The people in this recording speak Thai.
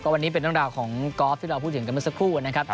วันนี้เป็นตุรนโรครับที่เราพูดถึงกันเพียงเมื่อสักครู่นะครับ